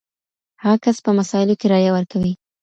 هغه کس په مسايلو کي رايه ورکوي.